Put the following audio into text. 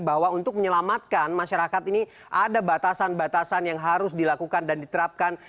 bahwa untuk menyelamatkan masyarakat ini ada batasan batasan yang harus dilakukan dan diterapkan